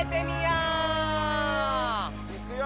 いくよ。